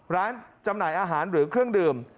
จำหน่ายอาหารหรือเครื่องดื่ม